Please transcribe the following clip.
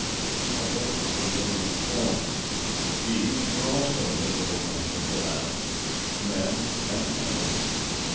I looked for living forms. These were also visible under the glass men and animals.